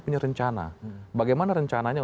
punya rencana bagaimana rencananya